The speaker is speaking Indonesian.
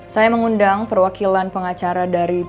saya mengundang perwakilan pengacara dari